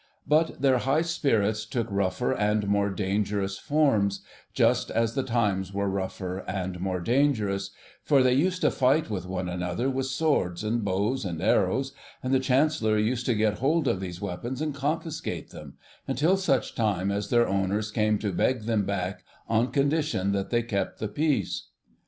But their high spirits took rougher and more dangerous forms, just as the times were rougher and more dangerous, for they used to fight with one another with swords, and bows and arrows, and the Chancellor used to get hold of these weapons and confiscate them, until such time as their owners came to beg them back on condition that they kept the peace.